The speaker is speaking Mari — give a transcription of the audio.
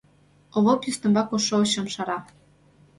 Овоп ӱстембак ош шовычым шара.